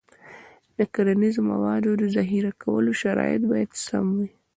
د کرنیزو موادو د ذخیره کولو شرایط باید سم وي.